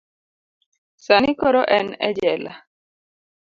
sani koro en e jela.